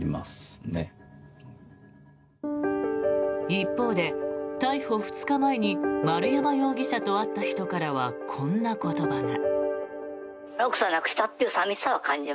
一方で逮捕２日前に丸山容疑者と会った人からはこんな言葉が。